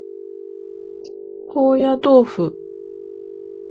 高野豆腐